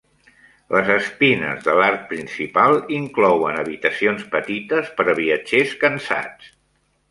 Les espines de l'arc principal inclouen habitacions petites per a viatgers cansats.